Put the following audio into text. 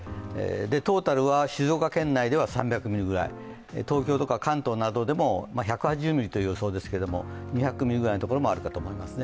トータルは静岡県内では３００ミリくらい、東京とか関東などでも１８０ミリという予想ですけれども２００ミリくらいのところもあるかもしれません。